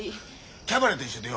キャバレーと一緒でよ